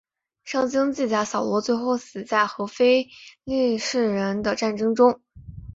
圣经记载扫罗最后死在和非利士人的战争中。